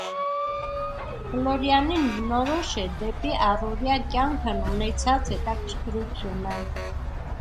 Ֆլորիանին բնորոշ է դեպի առօրյա կյանքն ունեցած հետաքրքրությունը։